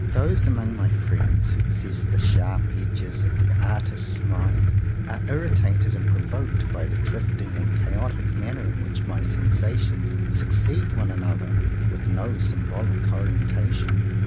Those among my friends who possess the sharp edges ofthe artist's mind are irritated and provoked by the drifting and chaotic manner in which my sensations succeed one another with no symbolic orientation.